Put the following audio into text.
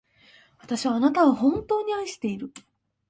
私はあなたを、本当に愛している。